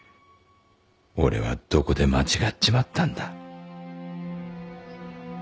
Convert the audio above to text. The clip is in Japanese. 俺はどこで間違っちまったんだ」